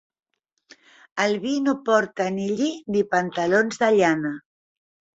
El vi no porta ni lli ni pantalons de llana